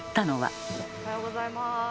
おはようございます。